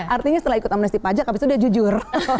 artinya setelah ikut amnesti pajak habis itu dia jujur